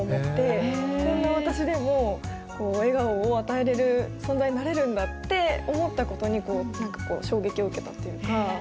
こんな私でも笑顔を与えれる存在になれるんだって思ったことに衝撃を受けたっていうか。